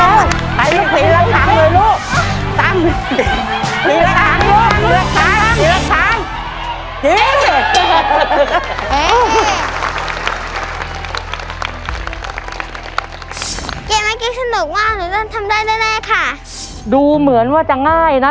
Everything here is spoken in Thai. มันจะทำได้ได้หนึ่งแนวค่ะดูเหมือนว่าจะง่ายนะ